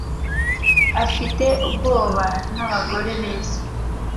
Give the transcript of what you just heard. Afite ubwoba nabagore beza